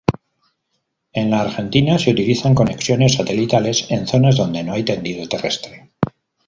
En la Argentina se utilizan conexiones satelitales en zonas donde no hay tendido terrestre.